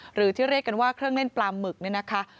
หรือที่เรียกกันว่าเครื่องเล่นปลาหมึกเนี่ยนะคะ